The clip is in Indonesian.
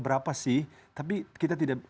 berapa sih tapi kita tidak